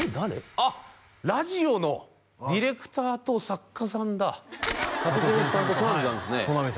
あっラジオのディレクターと作家さんだサトケンさんと戸波さんですね